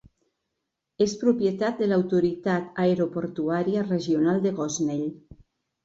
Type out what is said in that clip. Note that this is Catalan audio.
És propietat de l'Autoritat Aeroportuària Regional de Gosnell.